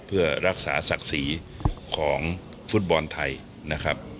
เพื่อรักษาศักดิ์ศรีของฟุตบอลไทยนะครับ